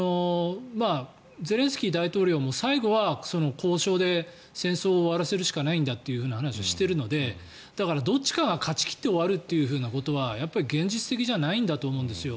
ゼレンスキー大統領も最後は交渉で戦争を終わらせるしかないんだという話はしているのでだから、どっちかが勝ち切って終わるということはやっぱり現実的じゃないと思うんですよ。